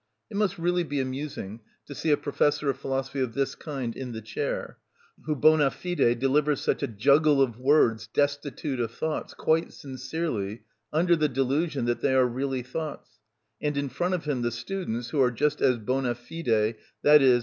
It must really be amusing to see a professor of philosophy of this kind in the chair, who bonâ fide delivers such a juggle of words destitute of thoughts, quite sincerely, under the delusion that they are really thoughts, and in front of him the students, who just as bonâ fide, _i.e.